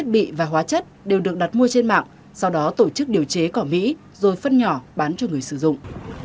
bị và hóa chất đều được đặt mua trên mạng sau đó tổ chức điều chế cỏ mỹ rồi phân nhỏ bán cho người sử dụng